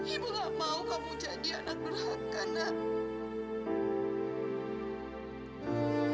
ibu gak mau kamu jadi anak durhaka nek